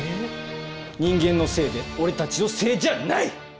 人間のせいで俺たちのせいじゃない！